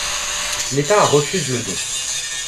L'État refuse le don.